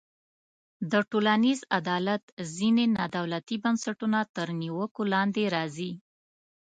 د ټولنیز عدالت ځینې نا دولتي بنسټونه تر نیوکو لاندې راځي.